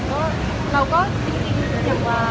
จริงก็อยากให้ตรงอยู่เลยก็แสนเลยค่ะ